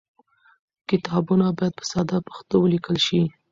کتابونه باید په ساده پښتو ولیکل شي.